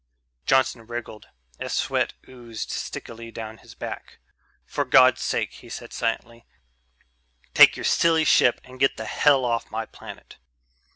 Johnson wriggled, as sweat oozed stickily down his back. "For God's sake," he said silently, "take your silly ship and get the hell off my planet."